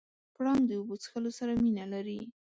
پړانګ د اوبو څښلو سره مینه لري.